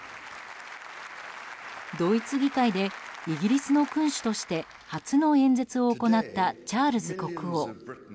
ドイツ議会でイギリスの君主として初の演説を行ったチャールズ国王。